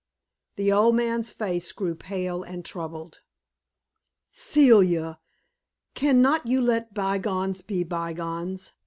The old man's face grew pale and troubled. "Celia, can not you let by gones be by gones?"